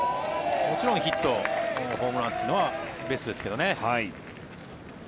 もちろんヒット、ホームランというのはベストですけどね。